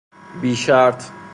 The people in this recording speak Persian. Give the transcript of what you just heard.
بی شرط